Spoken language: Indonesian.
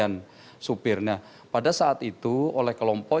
kondisi mirip kasus di pulau napa